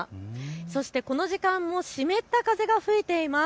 そしてこの時間も湿った風が吹いています。